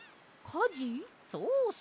そうそう。